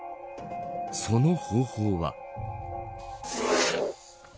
その方法は。